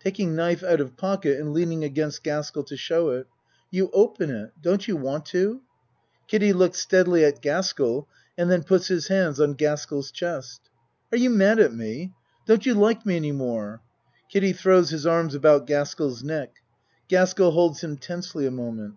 (Taking knife out of pocket and leaning against Gaskell to show it.) You open it. Don't you want to? (Kiddie looks steadily at Gaskell and then puts his hands on Gaskell 's chest.) Are you mad at me? Don't you like me any more? (Kiddie throws his arms about Gaskell' s neck. Gas kell holds him tensely a moment.)